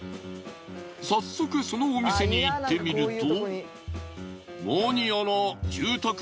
早速そのお店に行ってみると。